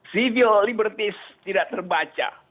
civil liberties tidak terbaca